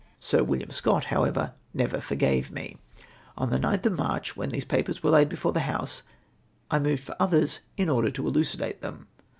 Sir William Scott, however, never forgave me. On the 9th uf March, when these papers were laid before the House, I moved for others in order to elucidate them.